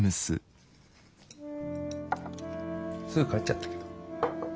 すぐ帰っちゃったけど。